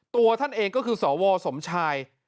ตัวท่านเองก็คือสวสมชาย